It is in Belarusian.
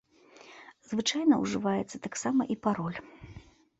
Звычайна ўжываецца таксама і пароль.